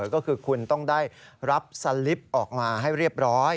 ก็คือคุณต้องได้รับสลิปออกมาให้เรียบร้อย